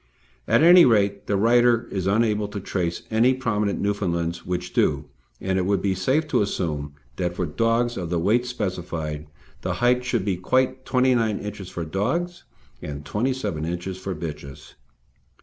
At any rate, the writer is unable to trace any prominent Newfoundlands which do, and it would be safe to assume that for dogs of the weights specified, the height should be quite 29 inches for dogs, and 27 inches for bitches.